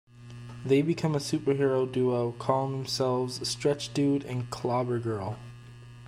They become a superhero duo, calling themselves "Stretch Dude and Clobber Girl".